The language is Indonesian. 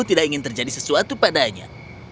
tidak ingin terjadi sesuatu padanya